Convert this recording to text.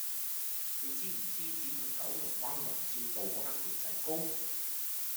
你知唔知點去九龍灣宏照道嗰間缽仔糕